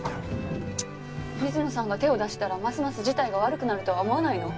水野さんが手を出したらますます事態が悪くなるとは思わないの？